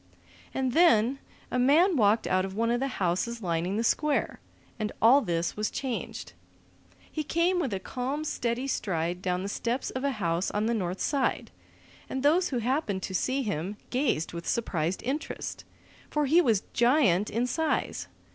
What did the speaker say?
And then a man walked out of one of the houses lining the square, and all this was changed. He came with a calm, steady stride down the steps of a house on the north side, and those who happened to see him gazed with surprised interest. For he was a giant in size.